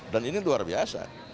dan ini luar biasa